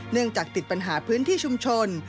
เนื่องจากติดปัญหาพื้นที่ชุมชน